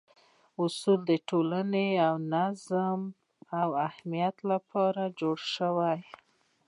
اصول د ټولنې د نظم او امنیت لپاره جوړ شوي.